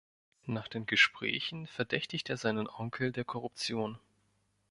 Nach den Gesprächen verdächtigt er seinen Onkel der Korruption.